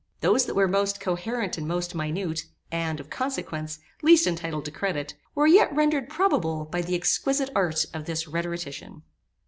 Those that were most coherent and most minute, and, of consequence, least entitled to credit, were yet rendered probable by the exquisite art of this rhetorician.